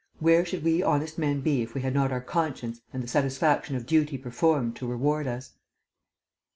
Where should we honest men be if we had not our conscience and the satisfaction of duty performed to reward us?"